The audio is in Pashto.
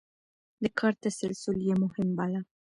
د کار تسلسل يې مهم باله.